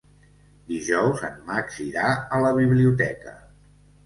Dijous en Max irà a la biblioteca.